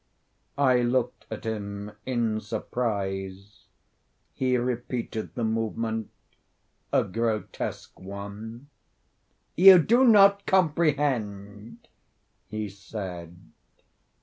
I looked at him in surprise. He repeated the movement—a grotesque one. "You do not comprehend?" he said.